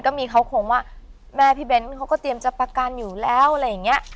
ก็มีเขาคงว่าแม่พี่เบ้นเขาก็เตรียมจะประกันอยู่แล้วอะไรอย่างนี้